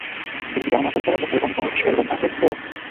তুমি কি জান না, রোযাদারের মুখের গন্ধ মিশকের গন্ধের চেয়ে শ্রেয়?